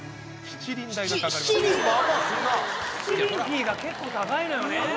七輪費が結構高いのよね。